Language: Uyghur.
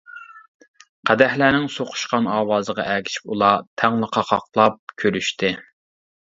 قەدەھلەرنىڭ سوقۇشقان ئاۋازىغا ئەگىشىپ ئۇلار تەڭلا قاقاقلاپ كۈلۈشتى.